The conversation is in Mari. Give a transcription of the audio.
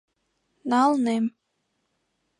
— На-ал-нем.